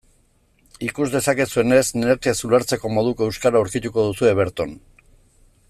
Ikus dezakezuenez, nekez ulertzeko moduko euskara aurkituko duzue berton.